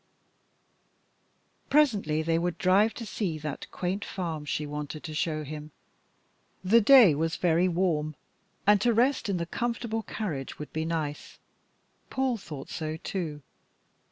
Presently they would drive to see that quaint farm she wanted to show him. The day was very warm, and to rest in the comfortable carriage would be nice. Paul thought so, too.